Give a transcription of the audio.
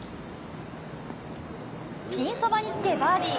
ピンそばにつけ、バーディー。